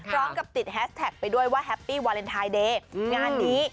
พร้อมกับติดแฮสแท็กไปด้วยว่าแฮปปี้วาเลนไทยเดย์งานนี้